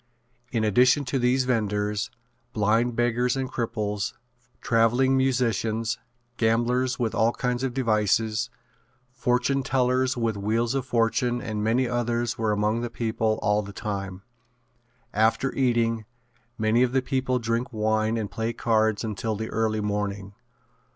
In addition to these venders, blind beggars and cripples, traveling musicians, gamblers with all kinds of devices, fortune tellers with wheels of fortune and many others were among the people all the time. After eating, many of the people drink wine and play cards until the early morning.